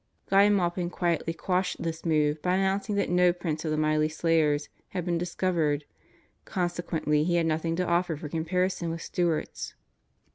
Guy Maupin quietly quashed this move by announcing that no prints of the Miley slayers had been discovered, consequently he had nothing to offer for comparison with Stewart's.